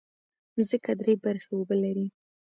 مځکه درې برخې اوبه لري.